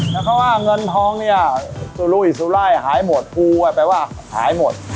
แล้วเขาว่าเงินทองเนี่ยสุรุยอิสุรายหายหมดกูอ่ะแปลว่าหายหมด